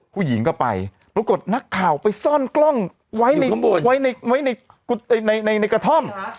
ผู้หญิงก็ไปปรากฏนักข่าวไปซ่อนกล้องอยู่ข้างบนไว้ในในในในในกระท่อมครับ